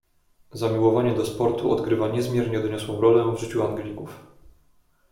"Zamiłowanie do sportu odgrywa niezmiernie doniosłą rolę w życiu Anglików."